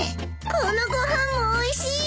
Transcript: このご飯もおいしい！